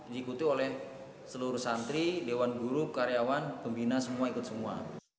diikuti oleh seluruh santri dewan guru karyawan pembina semua ikut semua